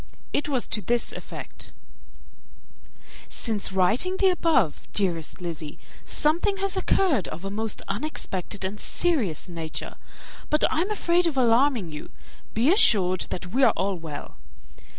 It was to this effect: "Since writing the above, dearest Lizzy, something has occurred of a most unexpected and serious nature; but I am afraid of alarming you be assured that we are all well.